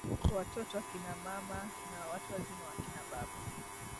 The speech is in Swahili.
watoto akina mama na watu wazima wakina baba